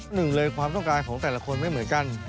หนึ่งเลยความต้องการของแต่ละคนไม่เหมือนกัน